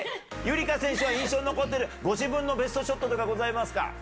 夕梨花選手は印象に残ってるご自分のベストショットとかございますか？